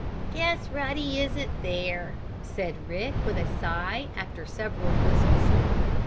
"Guess Ruddy isn't there," said Rick, with a sigh, after several whistles.